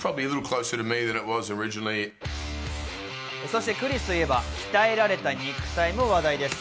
そしてクリスといえば鍛えられた肉体も話題です。